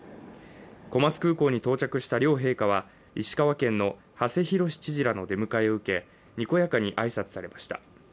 小松空港に到着した両陛下は、石川県の馳浩知事らの出迎えを受け、にこやかに挨拶されました。